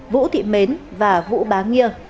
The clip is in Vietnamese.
vũ thị mến và vũ bá nghia